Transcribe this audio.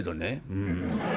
うん」。